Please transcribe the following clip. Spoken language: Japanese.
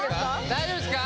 大丈夫ですか？